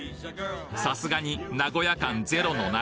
さすがに名古屋感ゼロの中